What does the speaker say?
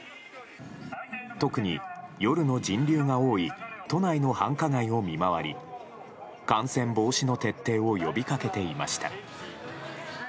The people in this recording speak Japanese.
特に夜の人流が多い都内の繁華街を見回り感染防止の徹底を呼びかけていました。